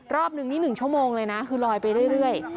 รอบนึงนี่๑ชั่วโมงเลยนะคือลอยไปเรื่อย